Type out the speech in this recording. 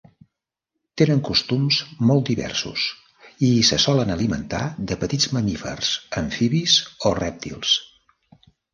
Tenen costums molt diversos, i se solen alimentar de petits mamífers, amfibis o rèptils.